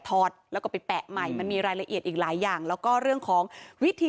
อดแล้วก็ไปแปะใหม่มันมีรายละเอียดอีกหลายอย่างแล้วก็เรื่องของวิธี